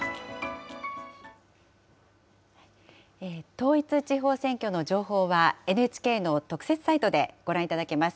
統一地方選挙の情報は、ＮＨＫの特設サイトでご覧いただけます。